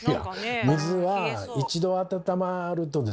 水は一度温まるとですね